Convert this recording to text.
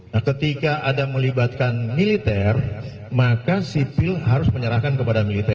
nah ketika ada melibatkan militer maka sipil harus menyerahkan kepada militer